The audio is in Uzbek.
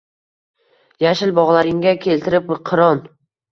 Yashil bog’laringga keltirib qiron